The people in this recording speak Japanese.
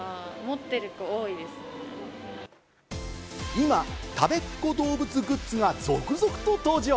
今、たべっ子どうぶつグッズが続々と登場。